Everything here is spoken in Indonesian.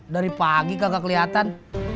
dari pagi kagak kelihatan